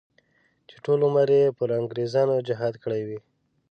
چې ټول عمر یې پر انګریزانو جهاد کړی وي.